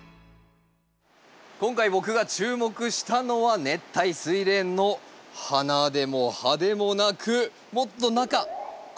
今回僕が注目したのは熱帯スイレンの花でも葉でもなくもっと中この株元です。